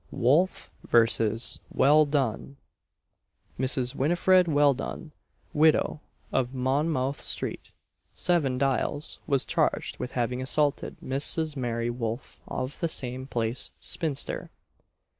WOLF versus WELLDONE. Mrs. Winifred Welldone, widow, of Monmouth street, Seven Dials, was charged with having assaulted Mrs. Mary Wolf of the same place, spinster.